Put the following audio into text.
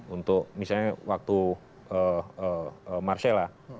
untuk misalnya waktu marcella